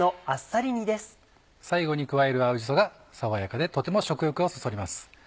最後に加える青じそが爽やかでとても食欲をそそります。